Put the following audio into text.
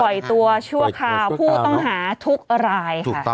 ปล่อยตัวชั่วคราวผู้ต้องหาทุกราย